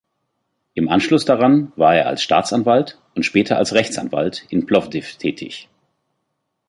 Im Anschluss daran war er als Staatsanwalt und später als Rechtsanwalt in Plowdiw tätig.